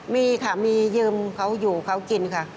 มีค่ะมียืมเขาอยู่เขากินค่ะ